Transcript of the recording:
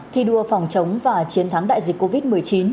thi đua phòng chống và chiến thắng đại dịch covid một mươi chín